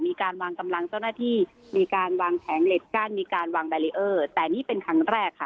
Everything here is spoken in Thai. มีการวางกำลังเจ้าหน้าที่มีการวางแผงเหล็กกั้นมีการวางแบรีเออร์แต่นี่เป็นครั้งแรกค่ะ